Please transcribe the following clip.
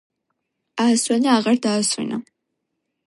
აასვენა აღარ დაასვენა